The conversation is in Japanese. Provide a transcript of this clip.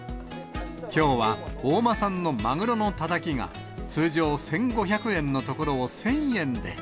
きょうは大間産のマグロのたたきが、通常１５００円のところを１０００円で。